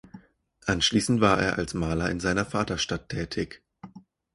Anschließend war er als Maler in seiner Vaterstadt tätig.